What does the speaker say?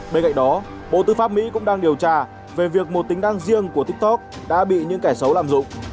bên cạnh đó bộ tư pháp mỹ cũng đang điều tra về việc một tính đăng riêng của tiktok đã bị những kẻ xấu lạm dụng